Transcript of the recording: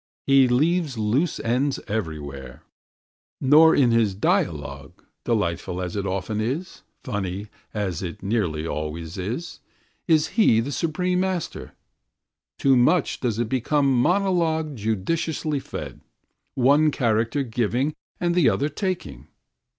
He leaves loose ends everywhere. Nor in his dialogue, delightful as it often is, funny as it nearly always is, is he the supreme master; too much does it become monologue judiciously fed, one character giving and the other taking.